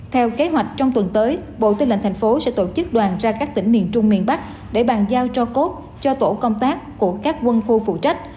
theo kế hoạch trong tuần tới bộ tư lệnh thành phố sẽ tổ chức đoàn ra các tỉnh miền trung miền bắc để bàn giao cho cốt cho tổ công tác của các quân khu phụ trách